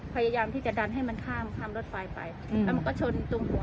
พยายามที่จะดันให้มันข้ามข้ามรถไฟไปแล้วมันก็ชนตรงหัว